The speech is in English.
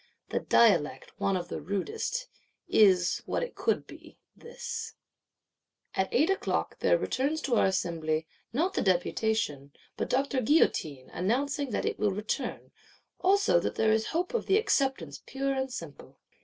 The dialect, one of the rudest, is, what it could be, this. At eight o'clock there returns to our Assembly not the Deputation; but Doctor Guillotin announcing that it will return; also that there is hope of the Acceptance pure and simple.